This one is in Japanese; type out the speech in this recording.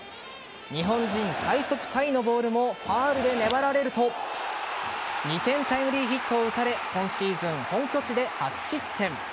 日本人最速タイのボールもファウルで粘られると２点タイムリーヒットを打たれ今シーズン、本拠地で初失点。